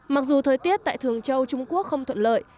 mặc dù thời tiết tại thường châu trung quốc không thuận lợi